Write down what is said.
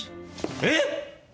えっ！？